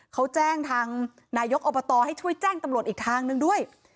เขาแจ้งทางนายกอบตให้ช่วยแจ้งตำรวจอีกทางหนึ่งด้วย